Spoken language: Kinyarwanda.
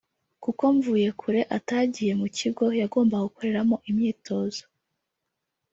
Kuko Mvuyekure atagiye mu kigo yagombaga gukoreramo imyitozo